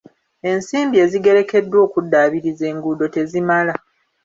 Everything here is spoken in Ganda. Ensimbi ezigerekeddwa okuddaabiriza enguudo tezimala.